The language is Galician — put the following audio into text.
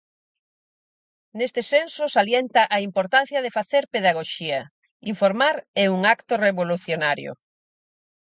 Neste senso, salienta a importancia de facer pedagoxía: Informar é un acto revolucionario.